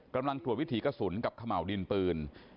กำลังตรวจวิถีกระสุนกับขม่าวดินปืน